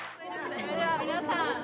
それでは皆さん。